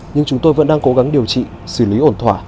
nhưng chúng tôi vẫn đang cố gắng điều trị xử lý ổn thỏa